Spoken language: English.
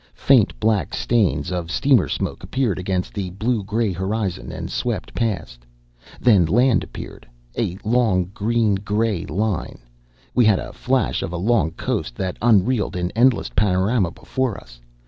Faint black stains of steamer smoke appeared against the blue gray horizon and swept past. Then land appeared a long, green gray line. We had a flash of a long coast that unreeled in endless panorama before us.